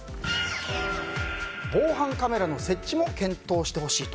防犯カメラの設置も検討してほしいと。